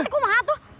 neng mati kumat tuh